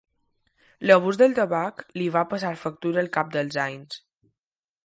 L'abús del tabac li va passar factura al cap dels anys.